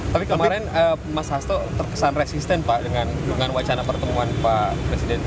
tapi kemarin mas hasto terkesan resisten pak dengan wacana pertemuan pak presiden